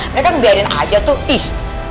mereka ngebiarin aja tuh ih ih ih